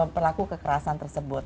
pelaku kekerasan tersebut